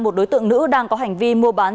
một đối tượng nữ đang có hành vi mua bán